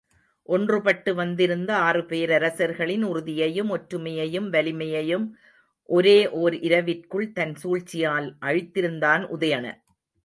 ஒன்றுபட்டு வந்திருந்த ஆறு பேரரசர்களின் உறுதியையும் ஒற்றுமையையும் வலிமையையும் ஒரே ஓர் இரவிற்குள் தன் சூழ்ச்சியால் அழித்திருந்தான் உதயணன்.